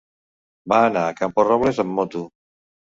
Va anar a Camporrobles amb moto.